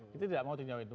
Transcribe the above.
kita tidak mau tinjau itu